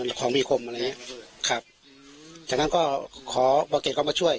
ของมีคมอะไรอย่างเงี้ยครับจากนั้นก็ขอบอเก็ตเข้ามาช่วย